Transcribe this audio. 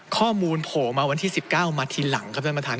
โผล่มาวันที่๑๙มาทีหลังครับท่านประธาน